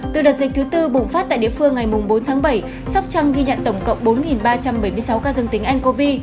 từ đợt dịch thứ tư bùng phát tại địa phương ngày bốn tháng bảy sóc trăng ghi nhận tổng cộng bốn ba trăm bảy mươi sáu ca dân tính ncov